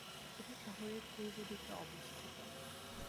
এটি শহরের পূর্বদিকে অবস্থিত।